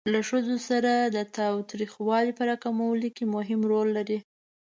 له ښځو سره د تاوتریخوالي په را کمولو کې مهم رول لري.